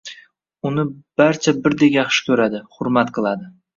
Uni barcha birdek yaxshi ko’radi, hurmat qiladi.